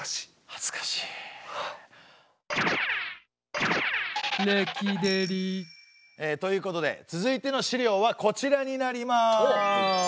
はずかしい。ということで続いての資料はこちらになります。